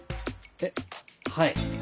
えっはい。